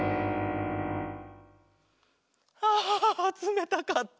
ああつめたかった。